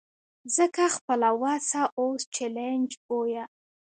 ځکه خپله وسه اوس چلنج بویه.